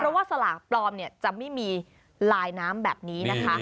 เพราะว่าสลากปลอมจะไม่มีลายน้ำแบบนี้นะคะ